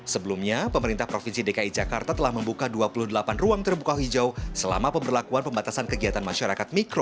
sebelumnya pemerintah provinsi dki jakarta telah membuka dua puluh delapan ruang terbuka hijau selama pemberlakuan pembatasan kegiatan masyarakat mikro